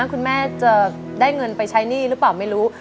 คุณแม่จะได้เงินไปใช้หนี้หรือเปล่าไม่รู้